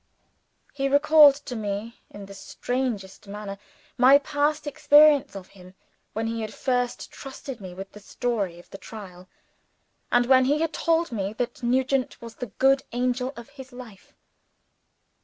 He recalled to me in the strangest manner my past experience of him, when he had first trusted me with the story of the Trial, and when he had told me that Nugent was the good angel of his life.